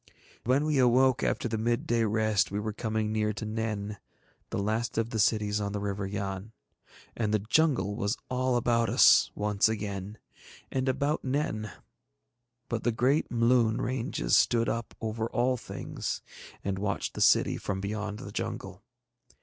When we awoke after the midday rest we were coming near to Nen, the last of the cities on the River Yann. And the jungle was all about us once again, and about Nen; but the great Mloon ranges stood up over all things, and watched the city from beyond the jungle.